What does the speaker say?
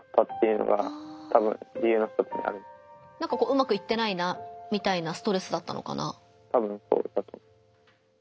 うまくいってないなみたいなストレスだったのかな。